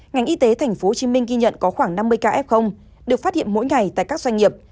ngành y tế tp hcm ghi nhận có khoảng năm mươi ca f được phát hiện mỗi ngày tại các doanh nghiệp